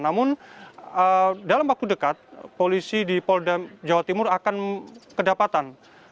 namun dalam waktu dekat polisi di polda jawa timur akan kedapatan